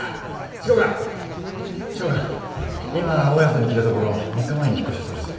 執行官今大家さんに聞いたところ３日前に引っ越したそうです。